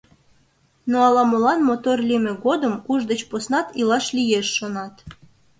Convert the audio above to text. Но ала-молан мотор лийме годым уш деч поснат илаш лиеш, шонат.